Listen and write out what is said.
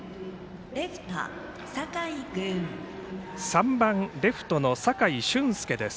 ３番、レフトの酒井駿輔です。